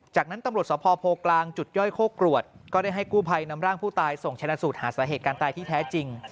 จากนั้นตำรวจสภโพกลางจุดย่อยโคกรวดก็ได้ให้กู้ภัยนำร่างผู้ตายส่งชนะสูตรหาสาเหตุการณ์ตายที่แท้จริง